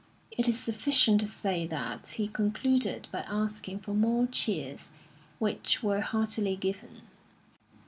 It is sufficient to say that he concluded by asking for more cheers, which were heartily given.